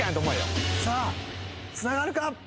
さあつながるか？